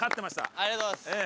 ありがとうございます。